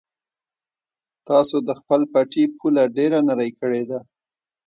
تاسو د خپل پټي پوله ډېره نرۍ کړې ده.